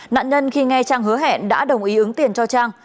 nạn nhân khi nghe trang hứa hẹn đã đồng ý ứng tiền cho trang